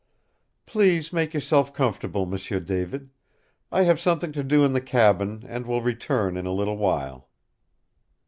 "Please make yourself comfortable, M'sieu David. I have something to do in the cabin and will return in a little while."